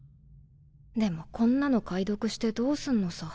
でもこんなの解読してどうすんのさ。